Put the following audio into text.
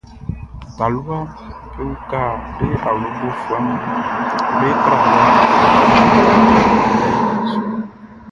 Taluaʼm be uka be awlobofuɛʼm be tralɛʼm be tɛtɛlɛʼn su.